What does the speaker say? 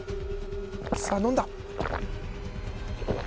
さあ飲んだ。